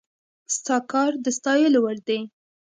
ستا کار د ستايلو وړ دی